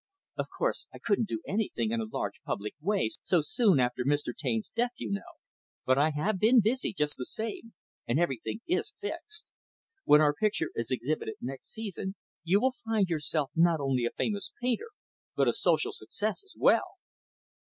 Of course I couldn't do anything in a large public way, so soon after Mr. Taine's death, you know; but I have been busy, just the same, and everything is fixed. When our picture is exhibited next season, you will find yourself not only a famous painter, but a social success as well."